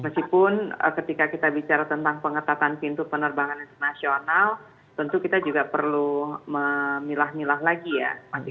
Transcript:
meskipun ketika kita bicara tentang pengetatan pintu penerbangan internasional tentu kita juga perlu memilah milah lagi ya